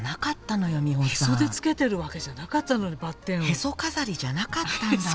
へそ飾りじゃなかったんだわ。